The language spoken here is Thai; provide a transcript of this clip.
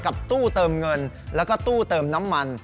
ตู้เติมเงินแล้วก็ตู้เติมน้ำมัน